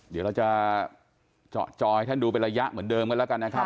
เดี๋ยวเราจะเจาะจอให้ท่านดูเป็นระยะเหมือนเดิมกันแล้วกันนะครับ